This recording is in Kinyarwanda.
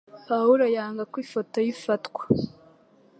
Pawulo yanga ko ifoto ye ifatwa